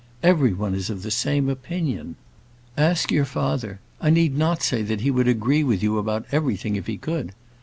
Every one is of the same opinion. Ask your father: I need not say that he would agree with you about everything if he could.